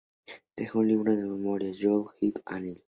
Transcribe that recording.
Dejó un libro de memorias: "Jo i els anys.